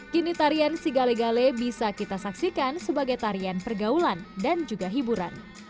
kini tarian sigale gale bisa kita saksikan sebagai tarian pergaulan dan juga hiburan